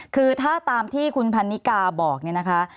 คือถ้าตามที่คุณพันนิกาบอกเนี่ยนะคะ